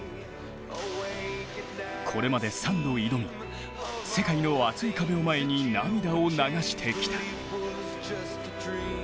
これまで３度挑み世界の厚い壁を前に涙を流してきた。